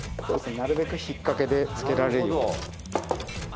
なるべく引っかけでつけられるように。